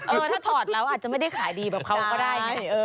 เออถ้าถอดแล้วอาจจะไม่ได้ขายดีแบบเขาก็ได้ไง